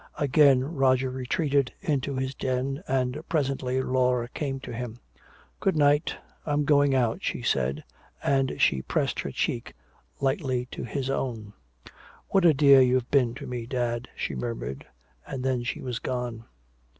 Again Roger retreated into his den, and presently Laura came to him. "Good night I'm going out," she said, and she pressed her cheek lightly to his own. "What a dear you've been to me, dad," she murmured. And then she was gone.